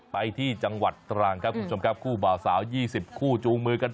ไปที่จังหวัดตรังค่ะคุณผู้ชมคู่ของเบาสาว๒๐คู่จูงมือกัน